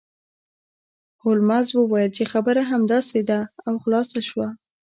هولمز وویل چې خبره همداسې ده او خلاصه شوه